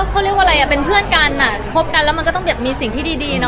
เพราะเป็นเพื่อนกันคบกันก็ต้องมีสิ่งที่ดี